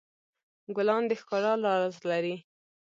ګلان د ښکلا راز لري.